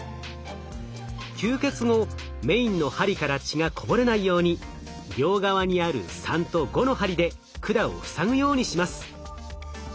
吸血後メインの針から血がこぼれないように両側にある３と５の針で管を塞ぐようにします。